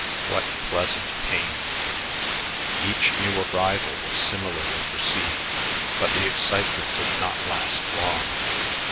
What pleasant pain! Each new arrival was similarly received, but the excitement did not last long.